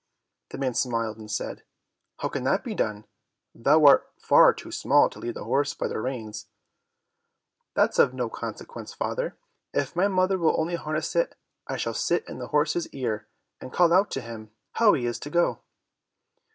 The man smiled and said, "How can that be done, thou art far too small to lead the horse by the reins?" "That's of no consequence, father, if my mother will only harness it, I shall sit in the horse's ear and call out to him how he is to go."